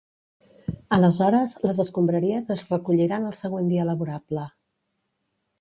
Aleshores, les escombraries es recolliran el següent dia laborable.